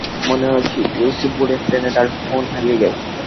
মনে হচ্ছে, ইয়ুচি বুলেট ট্রেনে তার ফোন হারিয়ে ফেলেছে।